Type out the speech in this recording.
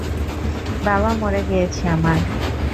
বাবা মরে গিয়েছে আমার।